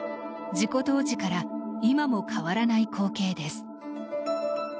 事故当時から今も変わらない光景です。